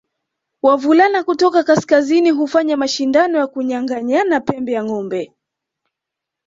Wavulana kutoka kaskazini hufanya mashindano ya kunyanganyana pembe ya ngombe